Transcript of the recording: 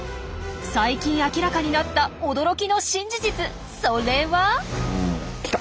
最近明らかになった驚きの新事実それは？来た！